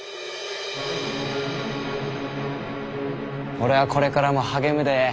俺はこれからも励むで。